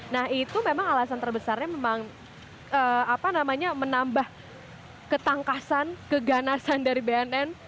nah itu memang alasan terbesarnya memang menambah ketangkasan keganasan dari bnn